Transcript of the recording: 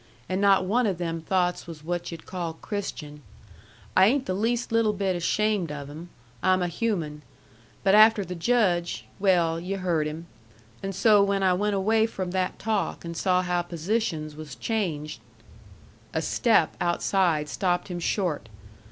And not one o' them thoughts was what yu'd call Christian. I ain't the least little bit ashamed of 'em. I'm a human. But after the Judge well, yu' heard him. And so when I went away from that talk and saw how positions was changed " A step outside stopped him short.